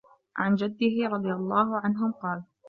عَنْ جَدِّهِ رَضِيَ اللَّهُ عَنْهُمْ قَالَ